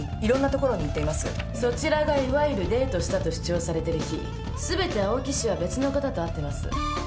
そちらがいわゆるデートしたと主張されてる日すべて青木氏は別の方と会ってます。